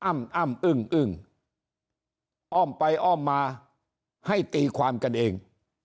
อ้ำอึ้งอึ้งอ้อมไปอ้อมมาให้ตีความกันเอง